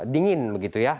dingin begitu ya